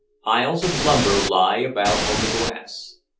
Piles of lumber lie about on the grass.